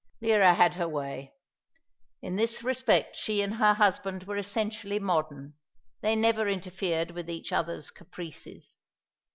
Vera had her way. In this respect she and her husband were essentially modern. They never interfered with each other's caprices.